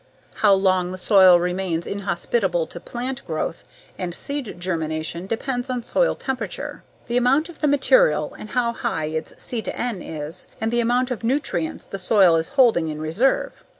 How long the soil remains inhospitable to plant growth and seed germination depends on soil temperature, the amount of the material and how high its C/N is, and the amount of nutrients the soil is holding in reserve.